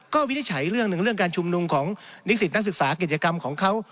ก็วินิจฉัยเรื่องหนึ่งเรื่องการชุมนุมของนิสิตนักศึกษากิจกรรมของเขา